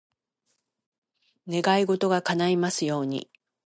願い事が叶いますように。